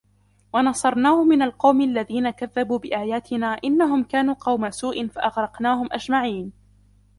ونصرناه من القوم الذين كذبوا بآياتنا إنهم كانوا قوم سوء فأغرقناهم أجمعين